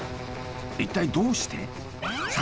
一体どうして？